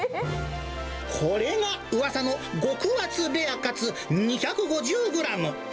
これがうわさの極厚レアカツ２５０グラム。